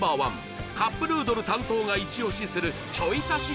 Ｎｏ．１カップヌードル担当がイチ押しするちょい足し